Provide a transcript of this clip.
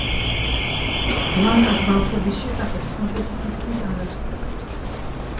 ბლანკას ბავშვობის შესახებ ცნობები თითქმის არ არსებობს.